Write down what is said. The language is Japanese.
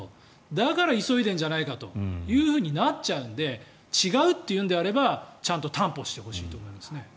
だから急いでんじゃないかとなっちゃうんで違うというのであれば、ちゃんと担保してほしいと思いますね。